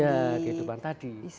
ya kehidupan tadi